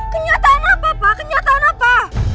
kenyataan apa apa kenyataan apa